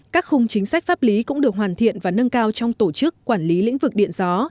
các khung chính sách pháp lý cũng được hoàn thiện và nâng cao trong tổ chức quản lý lĩnh vực điện gió